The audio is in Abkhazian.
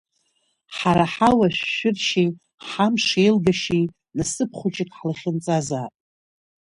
Ҳара ҳауашәшәыршьеи ҳамш аилгашьеи насыԥ хәыҷык ҳлахьынҵазаап!